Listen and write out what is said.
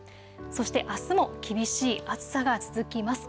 そしてあすも厳しい暑さが続きます。